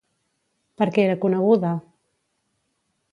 Per què era coneguda?